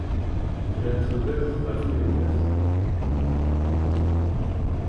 Bnan tudert γef uyennat.